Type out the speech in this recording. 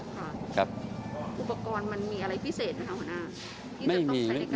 อุปกรณ์มันควรใช้อะไรมีครับ